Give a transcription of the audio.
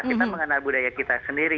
kita mengenal budaya kita sendiri